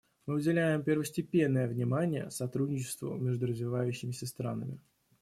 Мы уделяем первостепенное внимание сотрудничеству между развивающимися странами.